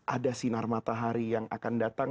ada sinar matahari yang akan datang